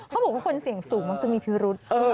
เขาบอกว่าคนเสี่ยงสูงมักจะมีพิรุษ